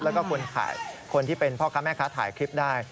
แล้วก็คนที่เป็นพ่อค้าแม่ค้าถ่ายคลิปได้